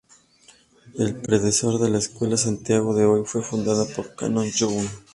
El predecesor de la escuela de Santiago de hoy, fue fundada por Canon Young.